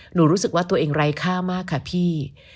รู้สึกว่าตัวเองไร้ค่ามากค่ะพี่